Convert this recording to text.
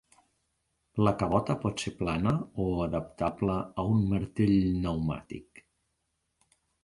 La cabota pot ser plana o adaptable a un martell pneumàtic.